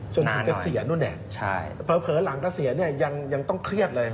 จนถึงเกษียณนู้นแหละพอหลังเกษียณยังต้องเครียดเลย